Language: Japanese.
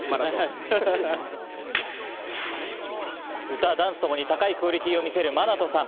歌、ダンスともに高いクオリティーを見せるマナトさん。